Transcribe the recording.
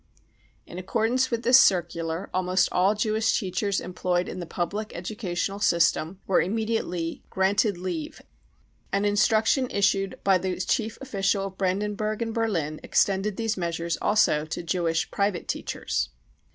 In accordance with this circular, almost all Jewish teachers employed in the public educational system were immediately " granted leave." An instruction issued by the chief official of Brandenburg and Berlin extended these measures also to Jewish private teachers.